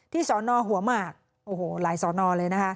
สอนอหัวหมากโอ้โหหลายสอนอเลยนะคะ